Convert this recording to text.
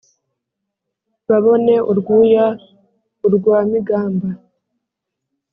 Baboneza Urwuya, urwa Migamba;